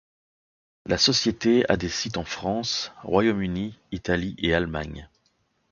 La société a des sites en France, Royaume-Uni, Italie et Allemagne.